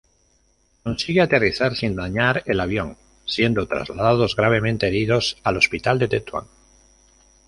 Consigue aterrizar sin dañar el avión, siendo traslados gravemente heridos al Hospital de Tetuán.